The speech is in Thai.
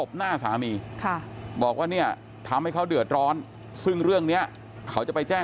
เขาก็บอกว่าทำไมถึงตบแบบนี้ก็เสียใจก็พอแล้ว